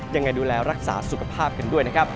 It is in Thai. ยังไงดูแลรักษาสุขภาพกันด้วยนะครับ